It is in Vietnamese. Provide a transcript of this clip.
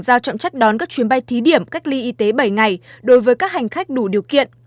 giao trọng trách đón các chuyến bay thí điểm cách ly y tế bảy ngày đối với các hành khách đủ điều kiện